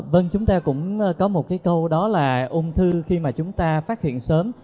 vâng chúng ta cũng có một cái câu đó là ung thư khi mà chúng ta phát hiện sớm